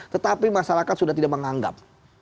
tetapi masyarakat sudah tidak menganggap